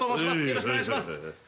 よろしくお願いします。